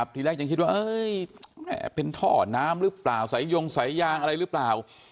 ทีแรกยังคิดว่าเป็นท่อน้ำหรือเปล่าสายยงสายยางอะไรหรือเปล่า